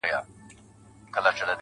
o خو وخته لا مړ سوى دی ژوندى نـه دی.